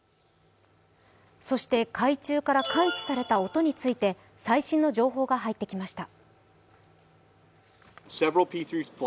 そして海中から感知された音について、最新の情報が入ってきました。